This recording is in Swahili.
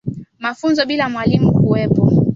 Mafunzo bila ya mwalimu kuwepo